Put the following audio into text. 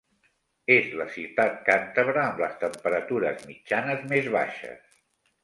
És la ciutat càntabra amb les temperatures mitjanes més baixes.